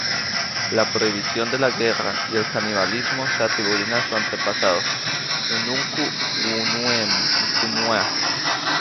La prohibición de la guerra y el canibalismo se atribuye a su antepasado "Nunuku-whenua".